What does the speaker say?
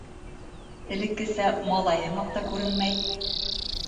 Элеккесә малай һымаҡ та күренмәй.